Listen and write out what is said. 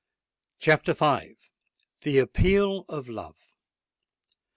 CHAPTER V. THE APPEAL OF LOVE.